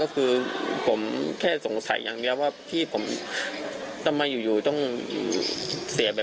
ก็คือผมแค่สงสัยอย่างนี้ว่าพี่ผมทำไมอยู่ต้องเสียแบบนี้